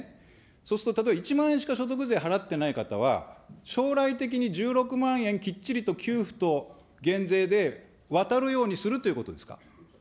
そうすると例えば１万円しか所得税払ってない方は、将来的に１６万円、きっちりと給付と減税で渡るようにするということですか。